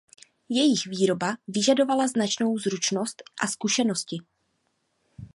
Jejich výroba vyžadovala značnou zručnost a zkušenosti.